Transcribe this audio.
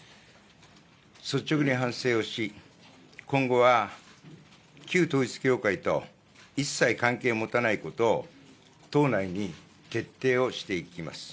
率直に反省をし、今後は旧統一教会と一切関係を持たないことを党内に徹底をしていきます。